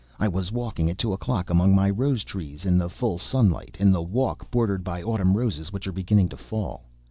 I was walking at two o'clock among my rose trees, in the full sunlight ... in the walk bordered by autumn roses which are beginning to fall.